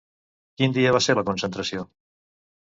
Quin dia va ser la concentració?